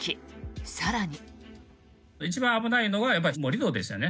更に。